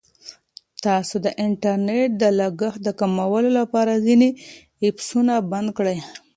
تاسو د انټرنیټ د لګښت د کمولو لپاره ځینې ایپسونه بند کړئ.